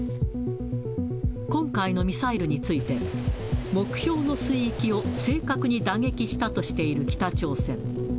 今回のミサイルについて、目標の水域を正確に打撃したとしている北朝鮮。